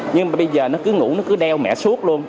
nhưng mà bây giờ nó cứ ngủ nó cứ đeo mẹ suốt luôn